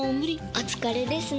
お疲れですね。